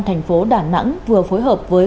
thành phố đà nẵng vừa phối hợp với